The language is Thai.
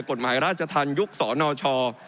กฎหมายราชทันยุคสอนอชอ